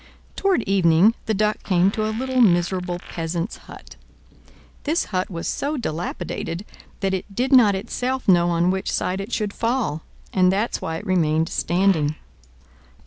Toward evening the Duck came to a little miserable peasant's hut. This hut was so dilapidated that it did not itself know on which side it should fall; and that's why it remained standing.